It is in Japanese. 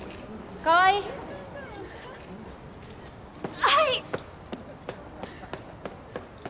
はい！